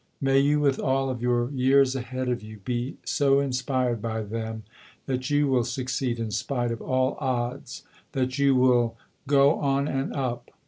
May you with all of your years ahead of you be so inspired by them that you will succeed in spite of all odds, that you will "Go on and up